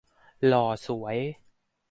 หล่อสวย